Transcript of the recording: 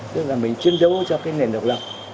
tức là mình chiến đấu cho nền độc lập